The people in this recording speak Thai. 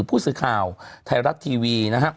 ผู้สื่อข่าวไทยรัฐทีวีนะครับ